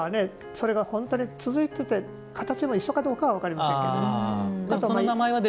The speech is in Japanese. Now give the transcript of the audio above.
それが本当に続いてて形が一緒かどうかは分かりませんけど。